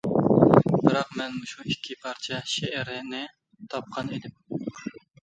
بىراق مەن مۇشۇ ئىككى پارچە شېئىرىنى تاپقان ئىدىم.